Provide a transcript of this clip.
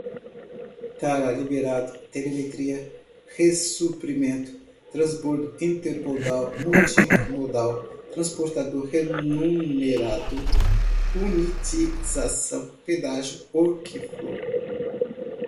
tara liberado telemetria ressuprimento transbordo intermodal multimodal transportador remunerado unitização pedágio workflow